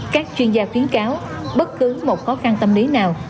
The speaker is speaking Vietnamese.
các chuyên gia khuyến cáo bất cứ một khó khăn tâm lý nào